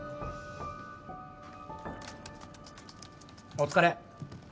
お疲れ。